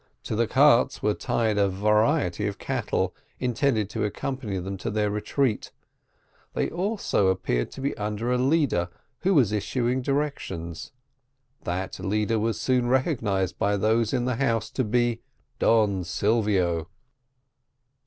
To the carts were tied a variety of cattle, intended to accompany them to their retreat. They all appeared to be under a leader, who was issuing directions that leader was soon recognised by those in the house to be Don Silvio.